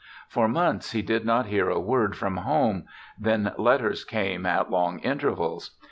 For months he did not hear a word from home ; then letters came at long intervals.